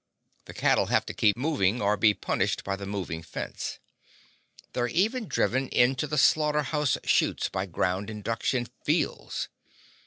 The cattle have to keep moving or be punished by the moving fence. They're even driven into the slaughterhouse chutes by ground induction fields!